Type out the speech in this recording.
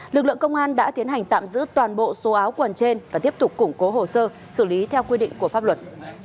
lực lượng công an đã tiến hành tạm giữ toàn bộ số áo quần trên và tiếp tục củng cố hồ sơ xử lý theo quy định của pháp luật